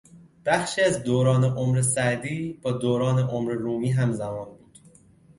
بخشی از دوران عمر سعدی با دوران عمر رومی همزمان بود.